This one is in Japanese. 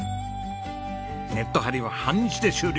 ネット張りは半日で終了です。